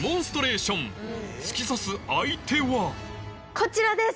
こちらです！